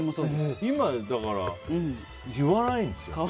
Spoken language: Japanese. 今はだから言わないんですよ。